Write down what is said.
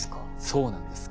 そうなんです。